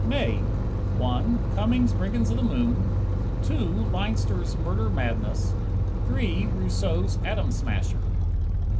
May: 1 Cummings' "Brigands of the Moon"; 2 Leinster's "Murder Madness"; 3 Rousseau's "Atom Smasher."